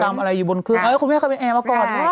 ตามอะไรอยู่บนเครื่องคุณแม่เคยเป็นแอร์เมื่อก่อน